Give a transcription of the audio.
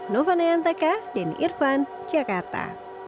nova nayantaka denny irvan jakarta